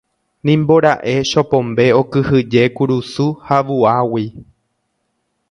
Nimbora'e Chopombe okyhyje kurusu ha vuágui.